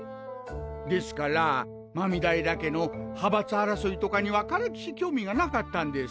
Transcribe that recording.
ですから狸平家の派閥争いとかにはからきし興味が無かったんです。